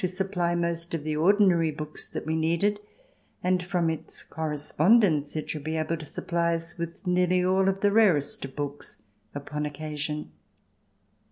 iv supply most of the ordinary books that we needed, and from its correspondence it should be able to supply us with nearly all the rarest of books upon occasion.